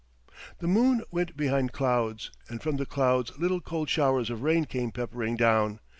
The moon went behind clouds, and from the clouds little cold showers of rain came peppering down.